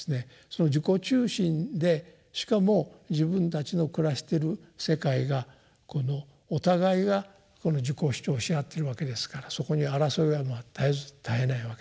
その自己中心でしかも自分たちの暮らしている世界がこのお互いがこの自己を主張し合っているわけですからそこに争いが絶えず絶えないわけだし。